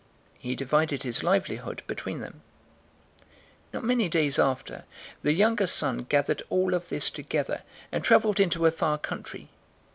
He divided his livelihood between them. 015:013 Not many days after, the younger son gathered all of this together and traveled into a far country.